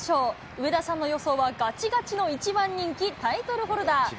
上田さんの予想はがちがちの１番人気、タイトルホルダー。